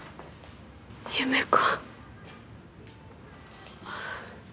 夢か。